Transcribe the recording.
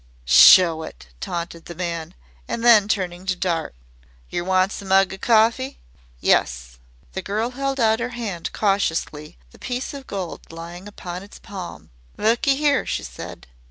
"Show it," taunted the man, and then turning to Dart. "Yer wants a mug o' cawfee?" "Yes." The girl held out her hand cautiously the piece of gold lying upon its palm. "Look 'ere," she said.